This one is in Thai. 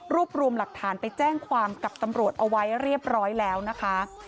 รวมรวมหลักฐานไปแจ้งความกับตำรวจเอาไว้เรียบร้อยแล้วนะคะ